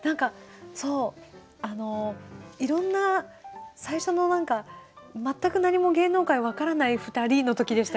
いろんな最初の何か全く何も芸能界分からない２人の時でしたよね？